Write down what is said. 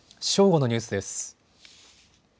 正午のニュースです。